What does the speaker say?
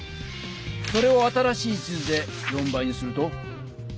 それを新しい地図で４倍にすると？